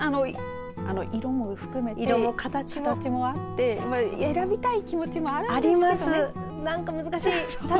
色も含めて形もあって選びたい気持ちもあるんですけどねなんか難しい。